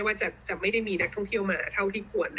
ว่าจะไม่ได้มีนักท่องเที่ยวมาเท่าที่ควร